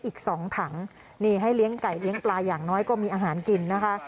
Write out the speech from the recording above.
อีก๒ถังนี่ให้เลี้ยงไก่เลี้ยงปลาอย่างน้อยก็มีอาหารกินนะคะ